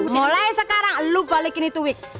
mulai sekarang lu balikin itu wik